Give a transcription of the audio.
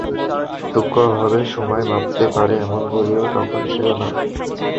সূক্ষ্মভাবে সময় মাপতে পারে এমন ঘড়িও তখন ছিল না।